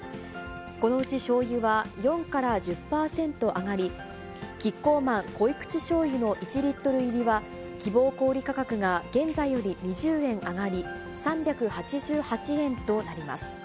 このうちしょうゆは４から１０％上がり、キッコーマンこいくちしょうゆの１リットル入りは希望小売り価格が現在より２０円上がり、３８８円となります。